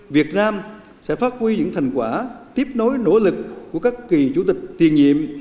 việt nam sẽ phát huy những thành quả tiếp nối nỗ lực của các kỳ chủ tịch tiền nhiệm